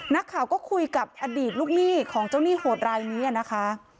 นักข่าวก็คุยกับอดีตลูกหนี้ของเจ้าหนี้โหดรายนี้นะคะ